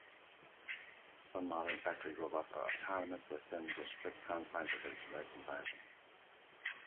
Some modern factory robots are "autonomous" within the strict confines of their direct environment.